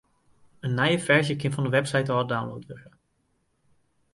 In nije ferzje kin fan de website ôf download wurde.